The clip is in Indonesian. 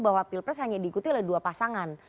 bahwa pilpres hanya diikuti oleh dua pasangan